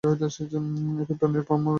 এতে প্রাণীর ফর্ম রয়েছে।